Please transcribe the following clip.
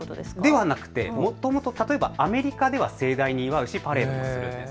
ではなくて、もともとアメリカでは盛大に祝うし、パレードもするんです。